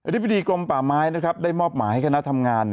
ธิบดีกรมป่าไม้ได้มอบหมายให้คณะทำงาน